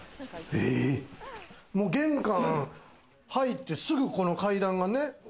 玄関入ってすぐこの階段がね。